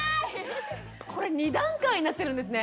これ２段階になってるんですね。